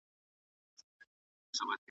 زلمي خپه دي څنګونه مړاوي .